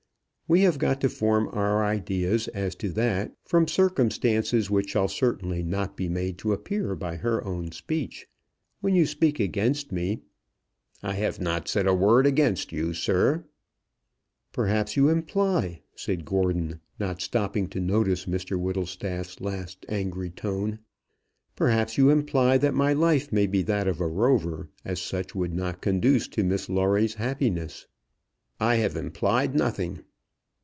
We have got to form our ideas as to that from circumstances which shall certainly not be made to appear by her own speech. When you speak against me " "I have not said a word against you, sir." "Perhaps you imply," said Gordon, not stopping to notice Mr Whittlestaff's last angry tone, "perhaps you imply that my life may be that of a rover, and as such would not conduce to Miss Lawrie's happiness." "I have implied nothing."